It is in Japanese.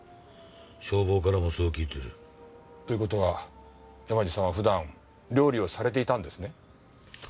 消防からもそう聞いてる。という事は山路さんは普段料理をされていたんですね？